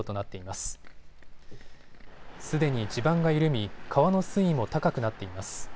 すでに地盤が緩み、川の水位も高くなっています。